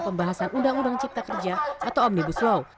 pembahasan undang undang cipta kerja atau omnibus law